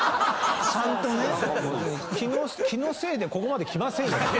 気のせいでここまで来ませんよ。